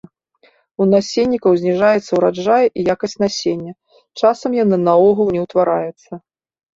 У насеннікаў зніжаецца ўраджай і якасць насення, часам яны наогул не ўтвараюцца.